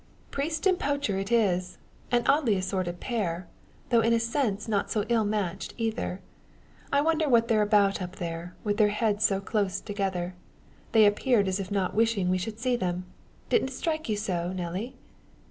"Priest and poacher it is! An oddly assorted pair; though in a sense not so ill matched either. I wonder what they're about up there, with their heads so close together. They appeared as if not wishing we should see them! Didn't it strike you so, Nelly?"